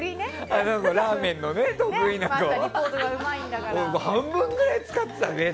そう、半分ぐらい使ってた。